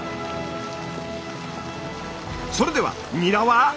それではニラは？